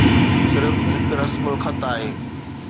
صرف هڪ رسم الخط آهي.